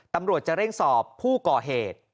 ตำรวจจะเร่งสอบผู้ก่อเหตุ